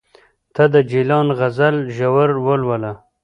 ته د جلان غزل ژور ولوله